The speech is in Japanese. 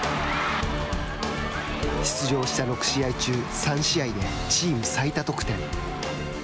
出場した６試合中３試合でチーム最多得点。